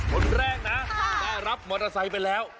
คนแรกนะได้รับมอเตอร์ไซค์ไปแล้ว